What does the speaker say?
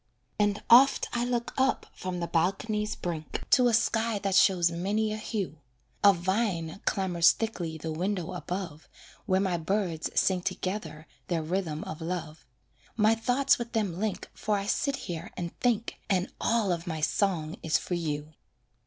And oft I look up from the balcony's brink To a sky that shows many a hue; A vine clambers thickly the window above, Where my birds sing together their rhythm of love; My thoughts with them link For I sit here and think And all of my song is for you.